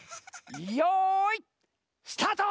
よいスタート！